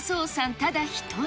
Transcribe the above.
ただ一人。